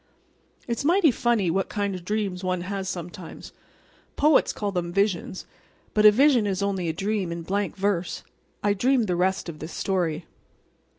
It's mighty funny what kind of dreams one has sometimes. Poets call them visions, but a vision is only a dream in blank verse. I dreamed the rest of this story.